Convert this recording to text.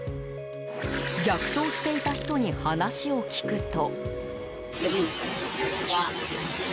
逆走していた人に話を聞くと。